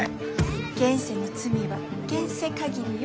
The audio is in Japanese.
現世の罪は現世限りよ。